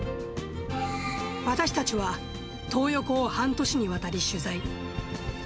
私たちはトー横を半年にわたり取材。